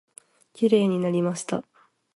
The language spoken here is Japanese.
きれいになりました。